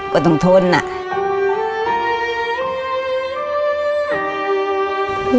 มันต้องทำพวกเราไม่ไปมันก็ไม่พอ